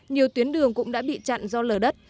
nhiều tuyến đường cũng đã bị chặn do lở đất